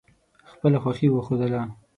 خپله خوښي وښودله.